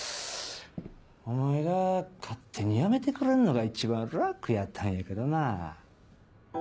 お前が勝手に辞めてくれるのが一番楽やったんやけどな。